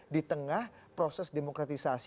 di tengah proses demokratisasi